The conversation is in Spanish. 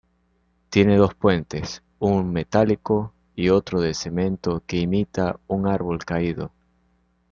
Tiene dos puentes: un metálico y otro de cemento que imita un árbol caído.